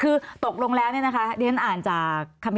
เพราะถ้าเข้าไปอ่านมันจะสนุกมาก